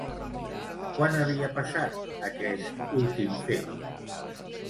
Quan havia passat, aquest últim fet?